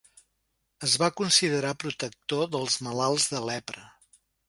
Es va considerar protector dels malalts de lepra.